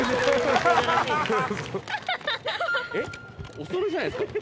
お揃いじゃないですか。